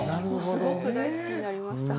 すごく大好きになりました。